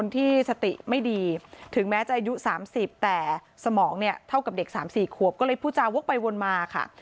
ที่สติไม่ดีถึงแม้จะอายุ๓๐แต่สมองเนี่ยเท่ากับเด็ก๓๔ขวบก็เลยพูดจาวกไปวนมาค่ะ